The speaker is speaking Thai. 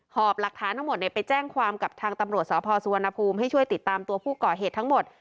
หอบหลักฐานทั้งหมดไปแจ้งความกับทางตำรวจสพสุวรรณภูมิให้ช่วยติดตามตัวผู้ก่อเหตุทั้งหมด